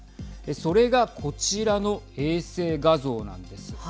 それがこちらの衛星画像なんです。